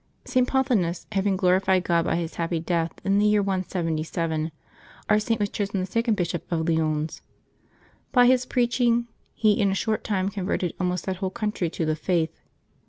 St. Pothinus having glorified God by his happy death, in the year 177, our Saint was chosen the second Bishop of Lyons. By his preaching, he in a short time converted almost that whole country to the Faith.